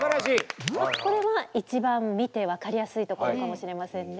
これは一番見て分かりやすいところかもしれませんね。